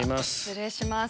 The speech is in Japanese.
失礼します。